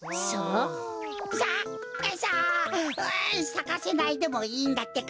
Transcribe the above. さささかせないでもいいんだってか。